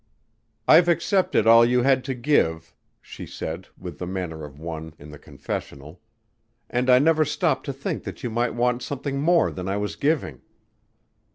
"I've accepted all you had to give," she said with the manner of one in the confessional, "and I never stopped to think that you might want something more than I was giving."